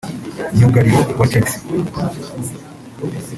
myugariro wa Chelsea